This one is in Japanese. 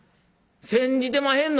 煎じてまへんの！？